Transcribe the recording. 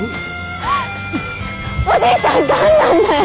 おじいちゃんがんなんだよ！